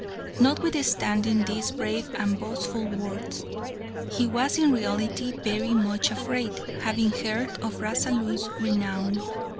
Notwithstanding these brave and boastful words, he was in reality very much afraid, having heard of Rasalu's renown.